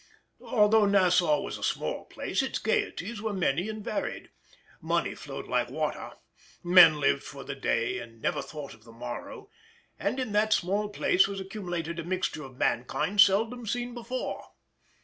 Although Nassau was a small place its gaieties were many and varied. Money flowed like water, men lived for the day and never thought of the morrow, and in that small place was accumulated a mixture of mankind seldom seen before.